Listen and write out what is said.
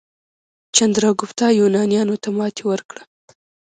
چندراګوپتا یونانیانو ته ماتې ورکړه.